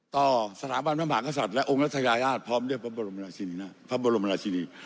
ต่อสถาบันพระมหากษัตริย์และองค์รัฐศัยราชพร้อมด้วยพระบรมนาชินี